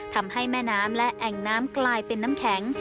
ทำให้แม่น้ำและแอ่งน้ำกลายเป็นน้ำแข็ง